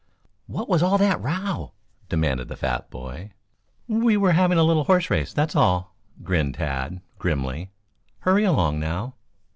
"What was all that row?" demanded the fat boy. "We were having a little horse race, that's all," grinned Tad grimly; "Hurry along, now."